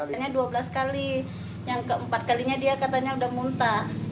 katanya dua belas kali yang keempat kalinya dia katanya udah muntah